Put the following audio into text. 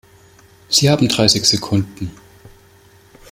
Sie haben dreißig Sekunden.